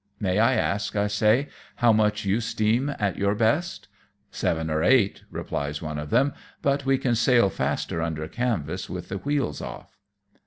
May I ask," I say, " how much you steam at your best ?" "Seven or eight," replies one of them, " but we can sail faster under canvas with the wheels off."